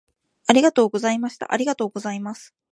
ありがとうございました。ありがとうございます。